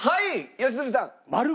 良純さん。